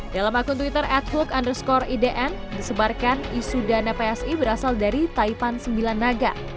dalam akun twitter adhook underscore idn disebarkan isu dana psi berasal dari taipan sembilanaga